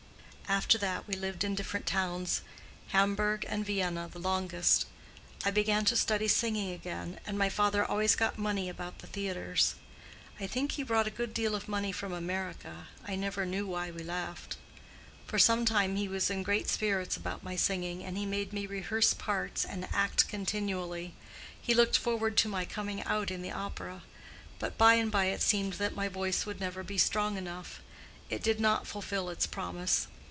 "After that we lived in different towns—Hamburg and Vienna, the longest. I began to study singing again: and my father always got money about the theatres. I think he brought a good deal of money from America, I never knew why we left. For some time he was in great spirits about my singing, and he made me rehearse parts and act continually. He looked forward to my coming out in the opera. But by and by it seemed that my voice would never be strong enough—it did not fulfill its promise.